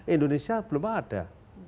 indonesia belum ada